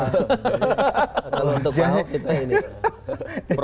kalau untuk pahuk itu